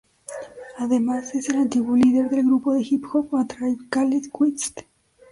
Además es el antiguo líder del grupo de hip hop A Tribe Called Quest.